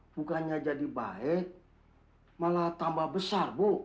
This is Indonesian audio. bukannya jadi baik malah tambah besar bu